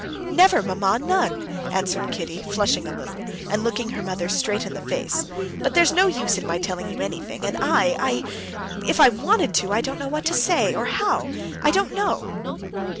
"Never, mamma, none," answered Kitty, flushing a little, and looking her mother straight in the face, "but there's no use in my telling you anything, and I ... I ... if I wanted to, I don't know what to say or how.... I don't know...."